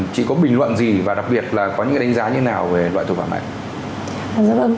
chị có bình luận gì và đặc biệt là có những đánh giá như thế nào về loại tội phạm này